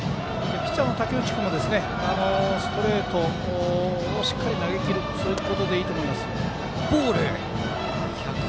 ピッチャーの武内君もストレートをしっかり投げきっていいと思います。